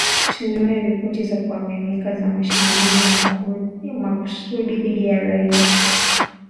Tumeona ripoti za kuaminika za mashambulizi ya makusudi dhidi ya raia